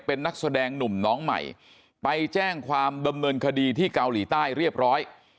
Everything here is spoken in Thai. เป็นนักแสดงหนุ่มน้องใหม่ไปแจ้งความดำเนินคดีที่เกาหลีใต้เรียบร้อย